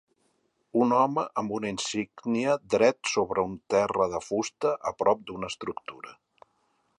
Un home amb una insígnia dret sobre un terra de fusta a prop d'una estructura.